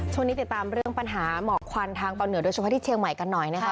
ช่วงนี้ติดตามเรื่องปัญหาหมอกควันทางตอนเหนือโดยเฉพาะที่เชียงใหม่กันหน่อยนะคะ